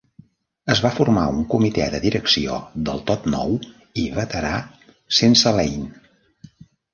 Es va formar un comitè de direcció del tot nou i veterà sense Lane.